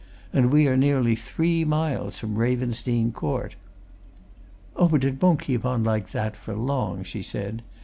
And we are nearly three miles from Ravensdene Court!" "Oh, but it won't keep on like that, for long," she said.